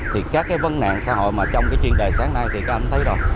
thì các cái vấn nạn xã hội mà trong cái chuyên đề sáng nay thì các anh thấy rồi